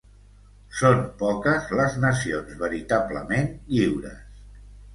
Són poques les nacions veritablement lliures.